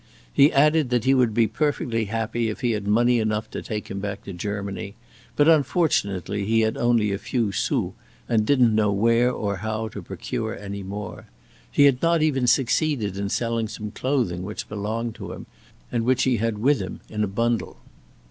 He added that he would be perfectly happy if he had money enough to take him back to Germany; but unfortunately he only had a few sous and didn't know where or how to procure any more. He had not even succeeded in selling some clothing which belonged to him, and which he had with him in a bundle.